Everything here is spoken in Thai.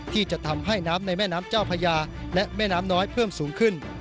ที่จะทำให้น้ำในแม่น้ำเจ้าพญาและแม่น้ำน้อยเพิ่มสูงขึ้น